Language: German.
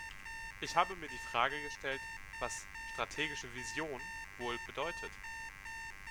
Ich habe mir die Frage gestellt, was "strategische Vision" wohl bedeutet.